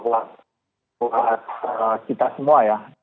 buat kita semua